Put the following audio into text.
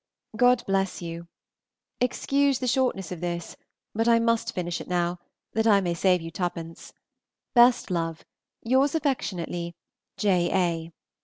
God bless you. Excuse the shortness of this, but I must finish it now, that I may save you 2_d._ Best love. Yours affectionately, J. A.